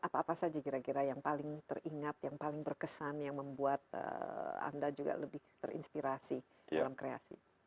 apa apa saja kira kira yang paling teringat yang paling berkesan yang membuat anda juga lebih terinspirasi dalam kreasi